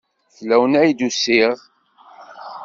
Fell-awen ay d-usiɣ.